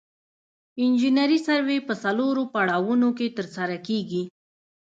انجنیري سروې په څلورو پړاوونو کې ترسره کیږي